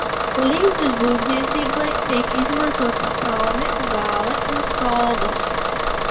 Ligzdas būvniecībai tiek izmantoti salmi, zāle un spalvas.